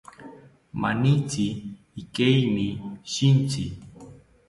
Manitzi ikeimi shintzi